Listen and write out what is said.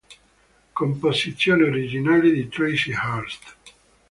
Composizione originale di Tracy Hurst.